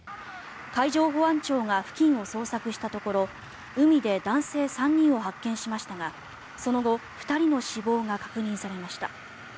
海上保安庁が付近を捜索したところ海で男性３人を発見しましたがその後２人の死亡が確認されました。